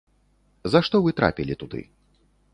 За што вы трапілі туды?